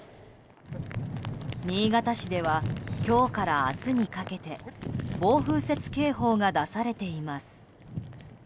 新潟市では今日から明日にかけて暴風雪警報が出されています。